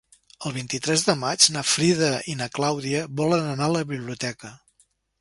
El vint-i-tres de maig na Frida i na Clàudia volen anar a la biblioteca.